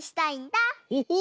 オホ